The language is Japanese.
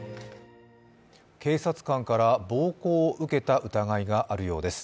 警察官から暴行を受けた疑いがあるようです。